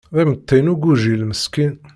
D imeṭṭi n ugujil meskin.